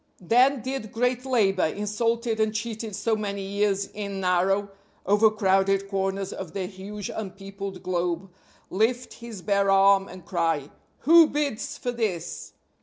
Then did great Labor, insulted and cheated so many years in narrow, overcrowded corners of the huge unpeopled globe, lift his bare arm and cry, "Who bids for this?"